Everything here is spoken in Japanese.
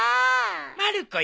まる子や。